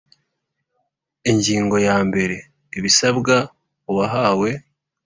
Ingingo ya mbere Ibisabwa uwahawe